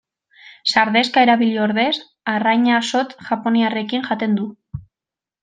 Sardexka erabili ordez arraina zotz japoniarrekin jaten du.